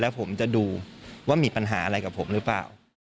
ผมจะดูว่ามีปัญหาอะไรกับผมหรือเปล่า